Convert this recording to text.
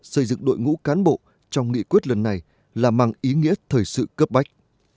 xây dựng đội ngũ cán bộ trong nghị quyết lần này là mang ý nghĩa thời sự cấp bách